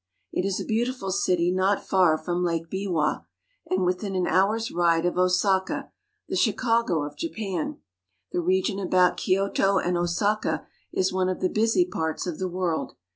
It is a beautiful city not far from Lake Biwa (be'wa) and within an hour's ride of Osaka (6'za ka), the Chicago of Japan. The region about Kyoto and Osaka is one of the busy parts of the world.